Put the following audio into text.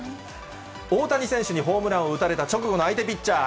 大谷選手にホームランを打たれた直後の相手ピッチャー。